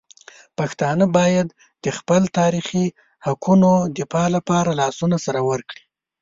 پښتانه باید د خپل تاریخي حقونو دفاع لپاره لاسونه سره ورکړي.